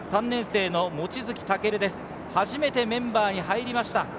３年生の望月武、初めてメンバーに入りました。